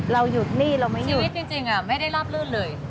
เราหยุดหนี้เราไม่มีชีวิตจริงไม่ได้ราบลื่นเลย